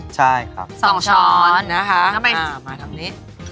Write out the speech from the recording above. ใช่ครับสองช้อนนะคะมาทำนี้